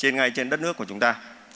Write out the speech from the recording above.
ngay trên đất nước của chúng ta